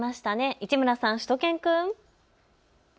市村さん、しゅと犬くん。